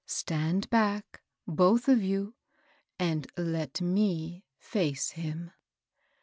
Stand back, both of you, and let me face him."